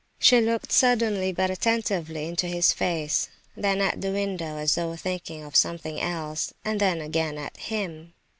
She looked suddenly, but attentively into his face, then at the window, as though thinking of something else, and then again at him.